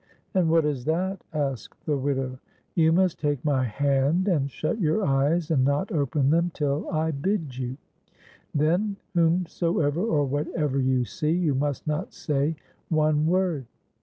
" And what is that ?" asked the widow. " You must take my hand and shut your eyes, and not open them till I bid } ou. Then whom soever or whatever you see, you must not say one word."